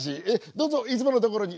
どうぞいつものところに。